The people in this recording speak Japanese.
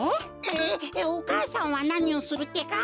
ええお母さんはなにをするってか？